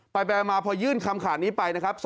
ไปมาพอยื่นคำขาดนี้ไปนะครับ